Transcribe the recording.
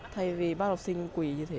thay vì bắt học sinh quỳ như thế